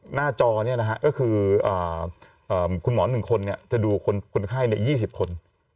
หน้าจอก็คือคุณหมอ๑คนจะดูคนไข้๒๐คน